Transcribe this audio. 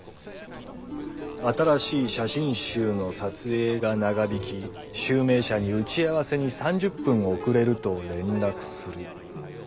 「新しい写真集の撮影が長引き集明社に打ち合わせに３０分遅れると連絡する」。